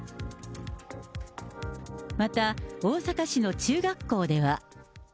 また、大阪市の中学校では。